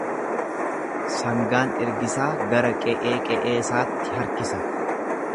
Sangaan ergisaa gara qe'ee qe'eesaatti harkisa.